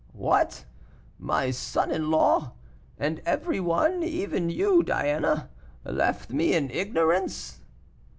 "What! my son in law! and every one even you, Diana left me in ignorance."